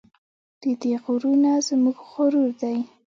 د دې غرونه زموږ غرور دی؟